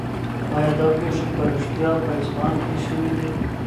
آیا دا پېښې په رښتیا په اصفهان کې شوې دي؟